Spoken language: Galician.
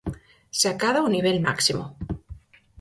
Se acada o nivel máximo...